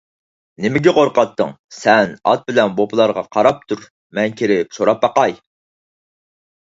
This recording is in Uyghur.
نېمىگە قورقاتتىڭ، سەن ئات بىلەن بوپىلارغا قاراپ تۇر، مەن كىرىپ سوراپ باقاي.